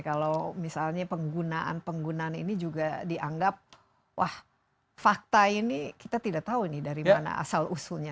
kalau misalnya penggunaan penggunaan ini juga dianggap wah fakta ini kita tidak tahu nih dari mana asal usulnya